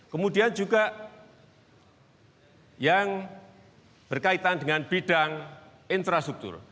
kemudian juga yang berkaitan dengan bidang infrastruktur